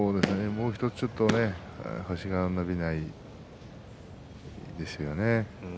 もうひとつちょっと星が伸びないですよね。